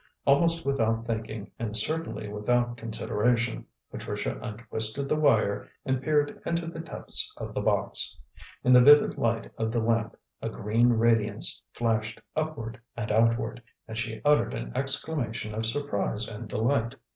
Almost without thinking, and certainly without consideration, Patricia untwisted the wire and peered into the depths of the box. In the vivid light of the lamp a green radiance flashed upward and outward, and she uttered an exclamation of surprise and delight.